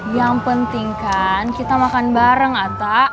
yang penting kan kita makan bareng ata